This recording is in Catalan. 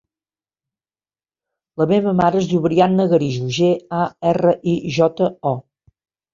La meva mare es diu Brianna Garijo: ge, a, erra, i, jota, o.